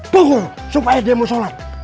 bohong supaya dia mau sholat